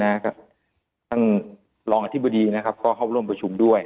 ทุกท่านรองอธิบดีเข้าร่วมประชุมด้วย